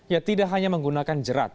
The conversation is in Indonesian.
ya tidak hanya menggunakan jerat